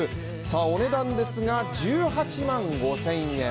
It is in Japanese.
お値段ですが、１８万５０００円